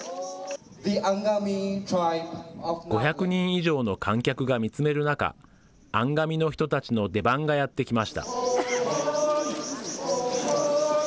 ５００人以上の観客が見つめる中、アンガミの人たちの出番がやってきました。